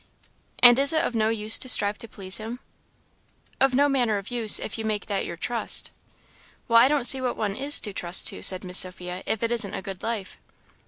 "And is it of no use to strive to please him?" "Of no manner of use, if you make that your trust." "Well, I don't see what one is to trust to," said Miss Sophia, "if it isn't a good life."